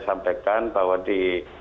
sampaikan bahwa di